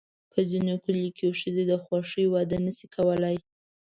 په ځینو کلیو کې ښځې د خوښې واده نه شي کولی.